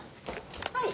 はい。